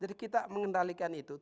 jadi kita mengendalikan itu